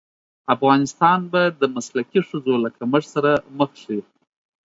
افغانستان به د مسلکي ښځو له کمښت سره مخ شي.